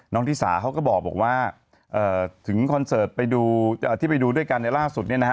น้องธิสาเขาก็บอกว่าถึงคอนเซิร์ตที่ไปดูด้วยกันนี้ล่าสุดนะฮะ